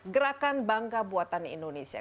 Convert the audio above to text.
gerakan bangka buatan indonesia